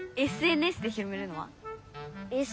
ＳＮＳで広めるのは？